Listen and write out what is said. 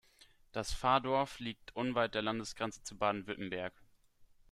Das Pfarrdorf liegt unweit der Landesgrenze zu Baden-Württemberg.